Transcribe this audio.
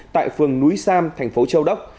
tại phường núi sam tp châu đốc